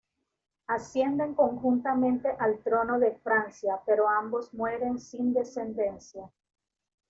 Ascienden conjuntamente al trono de Francia pero ambos mueren sin descendencia.